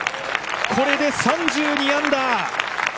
これで３２アンダー。